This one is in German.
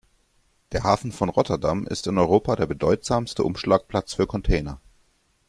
Der Hafen von Rotterdam ist in Europa der bedeutsamste Umschlagplatz für Container.